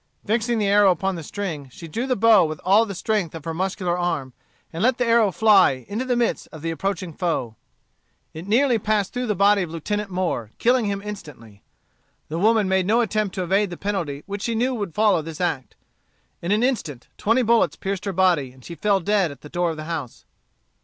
Fixing the arrow upon the string, she drew the bow with all the strength of her muscular arm, and let the arrow fly into the midst of the approaching foe. It nearly passed through the body of Lieutenant Moore, killing him instantly. The woman made no attempt to evade the penalty which she knew weald follow this act. In an instant twenty bullets pierced her body, and she fell dead at the door of the house.